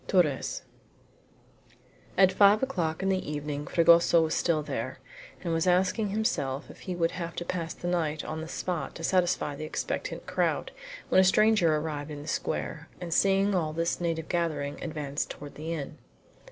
TORRES At five o'clock in the evening Fragoso was still there, and was asking himself if he would have to pass the night on the spot to satisfy the expectant crowd, when a stranger arrived in the square, and seeing all this native gathering, advanced toward the inn.